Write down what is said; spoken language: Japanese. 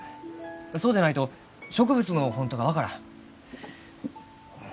そうでないと植物の本当が分からん。